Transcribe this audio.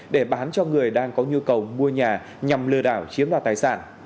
để bán cho người đang có nhu cầu mua nhà nhằm lừa đảo chiếm đoạt tài sản